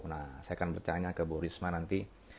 nah saya akan bertanya ke bu risma nanti